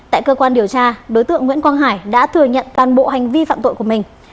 tại cơ quan điều tra đối tượng nguyễn quang hải đã thừa nhận toàn bộ hành vi phạm tội của mình